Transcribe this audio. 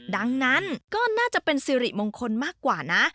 ดังนั้นก็น่าจะเป็นสิริมงคลมากกว่านะ